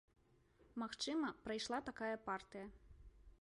Магчыма, прайшла такая партыя.